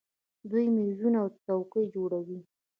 دوی میزونه او څوکۍ جوړوي.